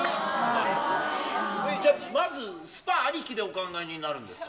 じゃあまず、スパありきでお考えになるんですか？